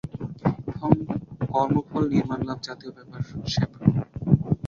কর্মফল-নির্বাণলাভ জাতীয় ব্যাপার স্যাপার।